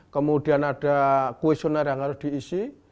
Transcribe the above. kemudian ada questionnaire yang harus diisi